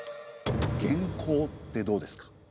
元寇ってどうですか？